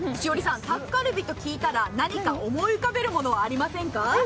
タッカルビと聞いたら、何か思い浮かべるもののありませんか？